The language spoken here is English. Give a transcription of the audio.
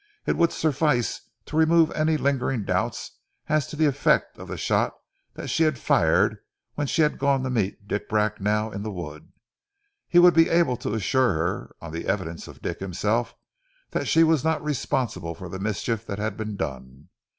It would suffice to remove any lingering doubt as to the effect of the shot that she had fired when she had gone to meet Dick Bracknell in the wood. He would be able to assure her, on the evidence of Dick himself, that she was not responsible for the mischief that had been done.